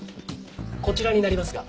こちらになりますが。